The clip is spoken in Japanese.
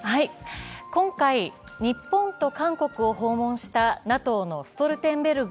今回、日本と韓国を訪問したＮＡＴＯのストルテンベルグ